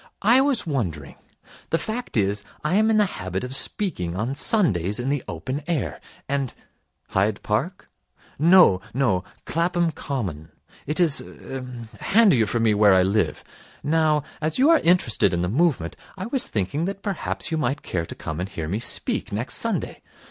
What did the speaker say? I was wondering the fact is, I am in the habit of speaking on Sundays in the open air, and ' 'Hyde Park?' 'No. No. Clapham Common. It is er handier for me where I live. Now, as you are interested in the movement, I was thinking that perhaps you might care to come and hear me speak next Sunday.